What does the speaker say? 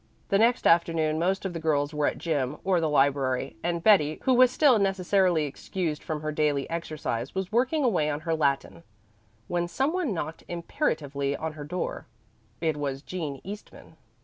The next afternoon most of the girls were at gym or the library, and Betty, who was still necessarily excused from her daily exercise, was working away on her Latin, when some one knocked imperatively on her door. It was Jean Eastman.